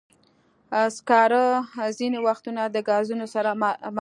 سکاره ځینې وختونه د ګازونو سره مله وي.